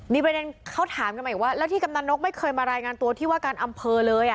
มีประเด็นเขาถามกันมาอีกว่าแล้วที่กำนันนกไม่เคยมารายงานตัวที่ว่าการอำเภอเลย